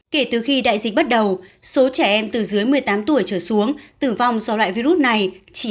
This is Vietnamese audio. kể từ khi đại dịch bắt đầu số trẻ em từ dưới một mươi tám tuổi trở xuống tử vong do loại virus này chỉ